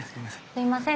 すいません。